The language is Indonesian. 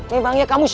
memangnya kamu siapa